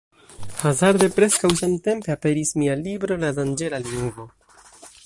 Hazarde, preskaŭ samtempe aperis mia libro La danĝera lingvo.